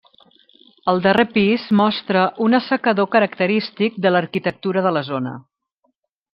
El darrer pis mostra un assecador característic de l'arquitectura de la zona.